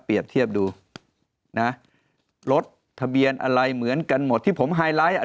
เทียบดูนะรถทะเบียนอะไรเหมือนกันหมดที่ผมไฮไลท์อ่ะ